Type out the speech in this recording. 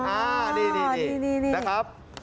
อ่านี่นะครับ